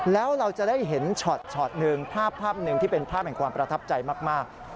แล้วเราจะได้เห็นช็อตหนึ่งภาพภาพหนึ่งที่เป็นภาพแห่งความประทับใจมาก